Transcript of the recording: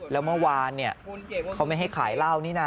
แล้วเมื่อวานเนี่ยเขาไม่ให้ขายเหล้านี่นะ